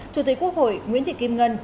chủ tịch quốc hội nguyễn thị kim ngân